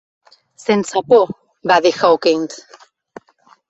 "Sense por", va dir Hawkins.